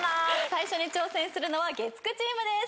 最初に挑戦するのは月９チームです。